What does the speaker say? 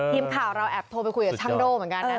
ทีมข่าวเราแอบโทรไปคุยกับช่างโด่เหมือนกันนะครับ